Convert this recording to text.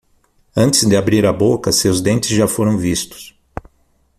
Antes de abrir a boca, seus dentes já foram vistos.